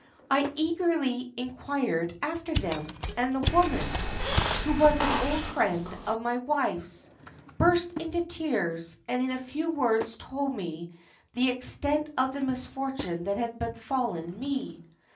I eagerly inquired after them, and the woman, who was an old friend of my wife's, burst into tears, and in a few words told me the extent of the misfortune that had befallen me.